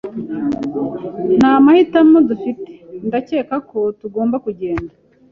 Nta mahitamo dufite. Ndakeka ko tugomba kugenda